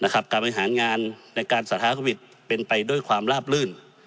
การบริหารงานในการสาธาโควิดเป็นไปด้วยความลาบลื่น